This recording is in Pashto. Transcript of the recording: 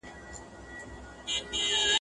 د مرمۍ په څېر له پاسه راغوټه سو ..